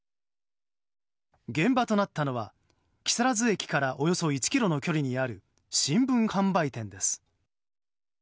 現場となったのは木更津駅からおよそ１ｋｍの距離にある、新聞販売店です。